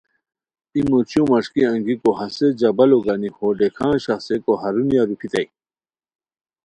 ای موچیو مݰکی انگیکو ہسے جبالو گانی ہو ڈیکان شاخیکو ہرونیہ روپھیتائے